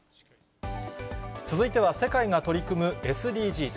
続いては、世界が取り組むＳＤＧｓ。